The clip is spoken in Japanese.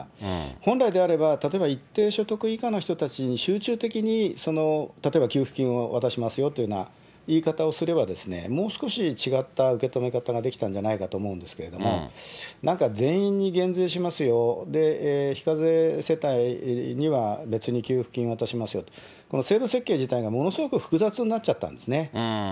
本来であれば、例えば一定所得以下の人たちに集中的に例えば給付金を渡しますよというような言い方をすれば、もう少し違った受け止め方ができたんじゃないかと思うんですけれども、なんか全員に減税しますよで、非課税世帯には別に給付金を渡しますよと、制度設計自体がものすごく複雑になっちゃったんですね。